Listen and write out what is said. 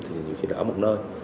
thì nhiều khi là ở một nơi